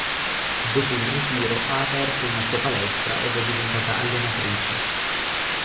Dopo il ritiro ha aperto una sua palestra ed è diventata allenatrice.